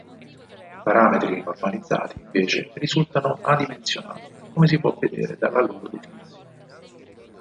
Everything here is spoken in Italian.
I parametri normalizzati invece risultano adimensionali, come si può vedere dalla loro definizione.